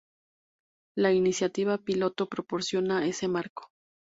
La iniciativa piloto proporciona ese marco.